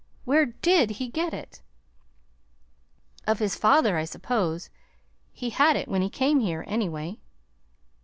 Where DID he get it?" "Of his father, I suppose. He had it when he came here, anyway."